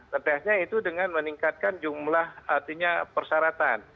ngetesnya itu dengan meningkatkan jumlah artinya persyaratan